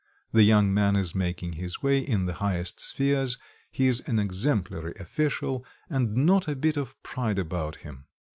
The young man is making his way in the highest spheres, he is an exemplary official, and not a bit of pride about him.